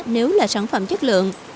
nếu là sản phẩm chất lượng